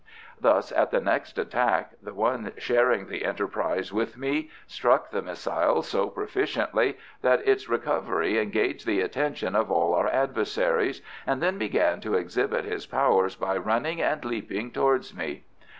Thus, at the next attack the one sharing the enterprise with me struck the missile so proficiently that its recovery engaged the attention of all our adversaries, and then began to exhibit his powers by running and leaping towards me.